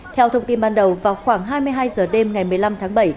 theo thông tin ban đầu vào khoảng hai mươi hai h đêm ngày một mươi năm tháng bảy